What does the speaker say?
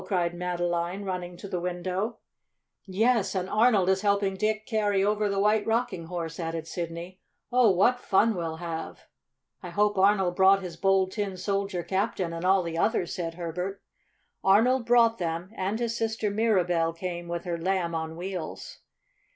cried Madeline, running to the window. [Illustration with caption: "Oh, I Have So Many Things to Tell You!"] "Yes, and Arnold is helping Dick carry over the White Rocking Horse," added Sidney. "Oh, what fun we'll have!" "I hope Arnold brought his Bold Tin Soldier Captain and all the others," said Herbert. Arnold brought them, and his sister Mirabell came with her Lamb on Wheels.